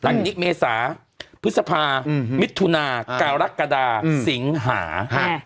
หลังนี้เมษาพฤษภาอืมมิถุนาอืมกาลักกาดาอืมสิงหาอ่า